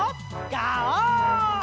ガオー！